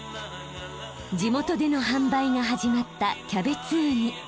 地元での販売が始まったキャベツウニ。